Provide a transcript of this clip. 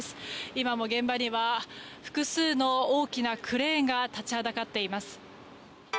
今も現場には複数の大きなクレーンが立ちはだかっています。